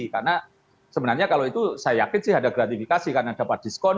karena sebenarnya kalau itu saya yakin sih ada gratifikasi karena dapat diskon